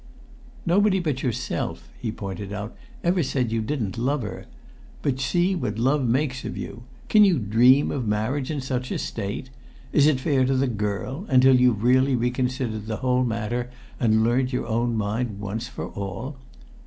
"Nobody but yourself," he pointed out, "ever said you didn't love her; but see what love makes of you! Can you dream of marriage in such a state? Is it fair to the girl, until you've really reconsidered the whole matter and learnt your own mind once for all?